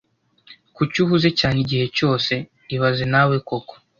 Kuki uhuze cyane igihe cyose ibaze nawe koko